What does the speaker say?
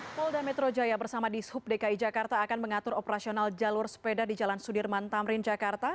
polda metro jaya bersama di sub dki jakarta akan mengatur operasional jalur sepeda di jalan sudirman tamrin jakarta